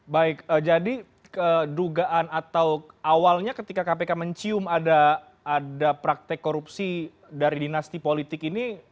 baik jadi dugaan atau awalnya ketika kpk mencium ada praktek korupsi dari dinasti politik ini